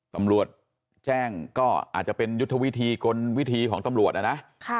ตำรวจแจ้งก็อาจจะเป็นยุทธวิธีกลวิธีของตำรวจนะนะ